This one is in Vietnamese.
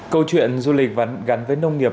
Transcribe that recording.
câu chuyện du lịch gắn với nông nghiệp